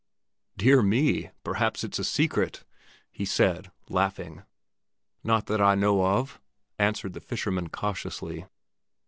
"Dear me! Perhaps it's a secret?" he said, laughing. "Not that I know of," answered the fisherman cautiously.